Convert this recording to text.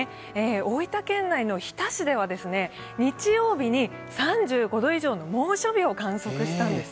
大分県内の日田市では日曜日に３５度以上の猛暑日を観測したんです。